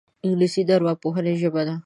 انګلیسي د ارواپوهنې ژبه ده